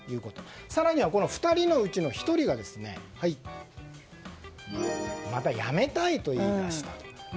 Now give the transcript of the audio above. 更には２人のうちの１人がまた、辞めたいと言い出したと。